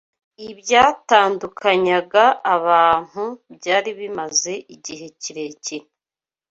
ibyatandukanyaga abantu byari bimaze igihe kirekire